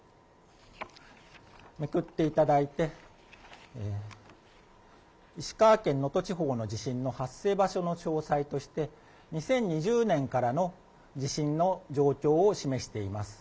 めくっていただいて、石川県能登地方の地震の発生場所の詳細として、２０２０年からの地震の状況を示しています。